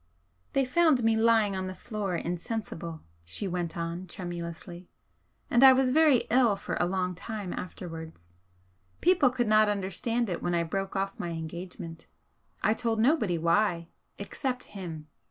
"They found me lying on the floor insensible," she went on, tremulously "And I was very ill for a long time afterwards. People could not understand it when I broke off my engagement. I told nobody why except HIM.